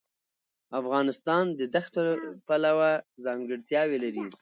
افغانستان د دښتو پلوه ځانګړتیاوې لري.